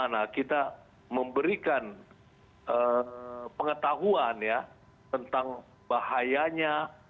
nah kita memberikan pengetahuan ya tentang bahayanya